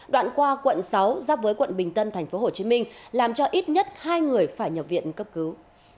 đoạn qua quận sáu giáp với quận bình tân tp hcm làm cho ít nhất hai người phải nhập viện cấp cứu